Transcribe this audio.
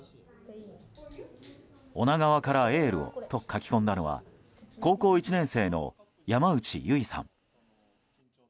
女川からエールをと書き込んだのは高校１年生の山内友結さん。